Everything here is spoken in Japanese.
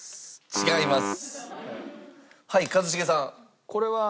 違います。